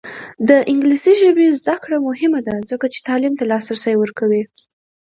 د انګلیسي ژبې زده کړه مهمه ده ځکه چې تعلیم ته لاسرسی ورکوي.